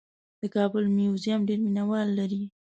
د کابل موزیم ډېر مینه وال لري.